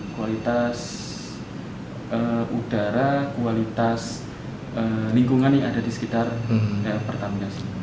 kualitas udara kualitas lingkungan yang ada di sekitar pertamina